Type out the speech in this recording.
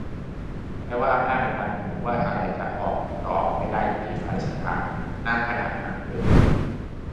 แปลว่าอำนาจในการคุมว่าอะไรจะออกจอไม่ได้อยู่ที่ฝ่ายรายการ ณ ขณะนั้น ?